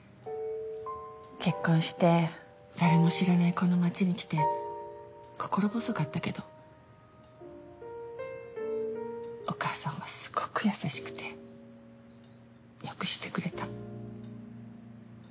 結婚して誰も知らないこの町に来て心細かったけどお義母さんはすごく優しくてよくしてくれた。